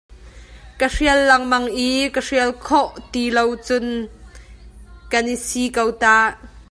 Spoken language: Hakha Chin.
Ka hrial lengmang i ka hrial khawh tilocun kan i sii ko ta.